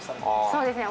そうですね。